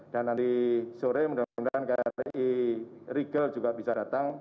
nanti sore mudah mudahan kri rigel juga bisa datang